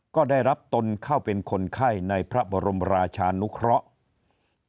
ก็ได้รับตนเข้าเป็นคนไข้ในพระบรมราชานุเคราะห์